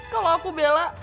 kalau aku bela